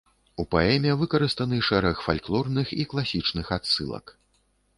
У паэме выкарыстаны шэраг фальклорных і класічных адсылак.